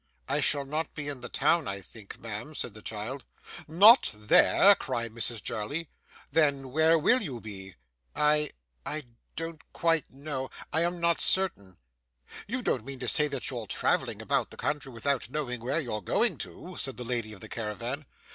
'I shall not be in the town, I think, ma'am,' said the child. 'Not there!' cried Mrs Jarley. 'Then where will you be?' 'I I don't quite know. I am not certain.' 'You don't mean to say that you're travelling about the country without knowing where you're going to?' said the lady of the caravan.